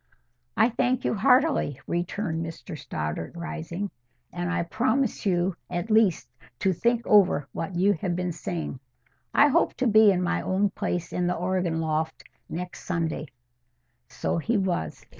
"I thank you, heartily," returned Mr Stoddart, rising. "And I promise you at least to think over what you have been saying—I hope to be in my old place in the organ loft next Sunday." So he was.